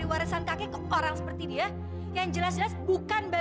pak meda lena jaga mulut kamu